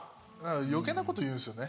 余計なこと言うんですよね。